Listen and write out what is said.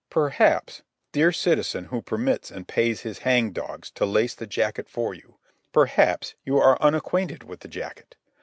Perhaps, dear citizen who permits and pays his hang dogs to lace the jacket for you—perhaps you are unacquainted with the jacket.